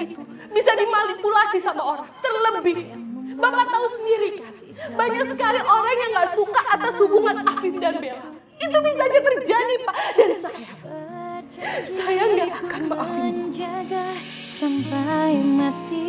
ternyata sdn itu bisa dimalipulasi sama orang terlebih bapak tahu sendiri banyak sekali orang yang gak suka atas hubungan afif dan bella itu bisa jadi terjadi pak dan saya saya enggak akan maafinmu